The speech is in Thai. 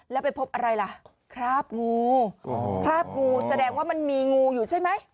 แล้วไปพบอะไรล่ะคราบงูคราบงูแสดงว่ามันมีงูอยู่ใช่ไหม